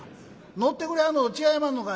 乗ってくれはんのと違いまんのか」。